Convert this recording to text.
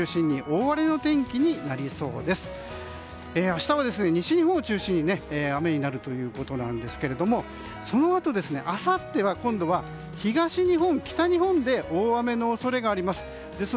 明日は西日本を中心に雨になるということですがそのあと、あさっては今度東日本、北日本で大雨の恐れがあります。